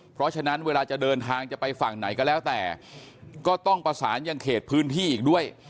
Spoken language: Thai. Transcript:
เพราะฉะนั้นเวลาจะเดินทางจะไปฝั่งไหนก็แล้วแต่ก็ต้องประสานยังเขตพื้นที่อีกด้วย